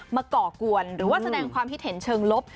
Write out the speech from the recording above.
ก่อกวนหรือว่าแสดงความคิดเห็นเชิงลบ